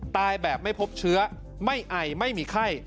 ตายแบบไม่พบเชื้อไม่ไอไม่มีไข้